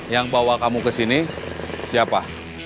yang bawa kamu ke sini siapa